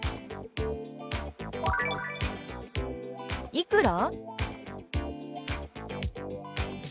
「いくら？」。